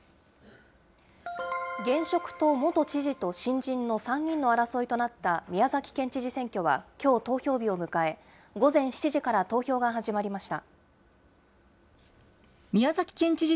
現職と元知事と新人の３人の争いとなった宮崎県知事選挙は、きょう投票日を迎え、午前７時から投票が始まりました。